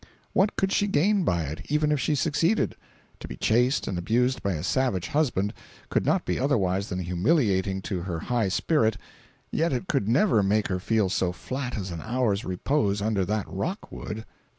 What could she gain by it, even if she succeeded? To be chased and abused by a savage husband could not be otherwise than humiliating to her high spirit, yet it could never make her feel so flat as an hour's repose under that rock would.